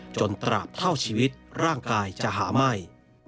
ตราบเท่าชีวิตร่างกายจะหาไหม้